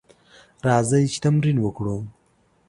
راځئ چې تمرين وکړو.